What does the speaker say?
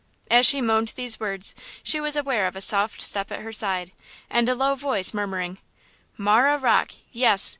As she moaned these words she was aware of a soft step at her side and a low voice murmuring: "Marah Rocke, yes!